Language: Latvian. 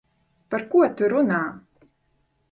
Par ko tu runā?